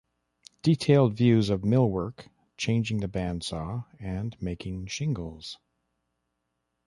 Detailed views of mill work, changing the bandsaw, and making shingles.